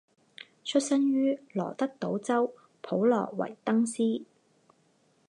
出生于罗德岛州普罗维登斯。